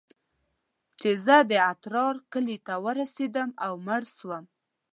چې زه د اترار کلي ته ورسېدم او مړ سوم.